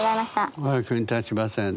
お役に立ちませんで。